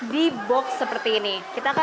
di box seperti ini kita akan